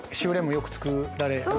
よく作られます？